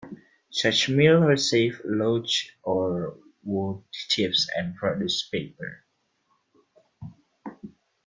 Such mills receive logs or wood chips and produce paper.